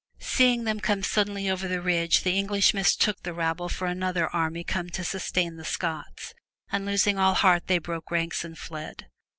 Seeing them come suddenly over the ridge the English mistook the rabble for another army come to sustain the Scots, and losing all heart they broke ranks and fled.